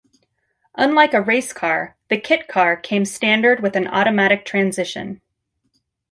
Unlike a race car, the Kit Car came standard with an automatic transmission.